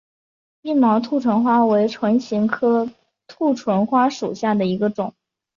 硬毛兔唇花为唇形科兔唇花属下的一个种。